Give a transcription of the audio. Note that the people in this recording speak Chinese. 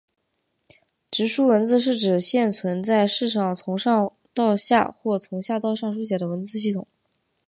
直书文字是指现存在世上从上到下或从下到上书写的文字系统。